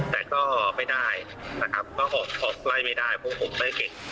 แต่ก็ไม่ได้นะครับก็ออกช็อกไล่ไม่ได้เพราะผมไม่เก่ง